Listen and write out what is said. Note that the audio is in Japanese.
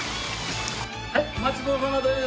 はいお待ちどおさまです。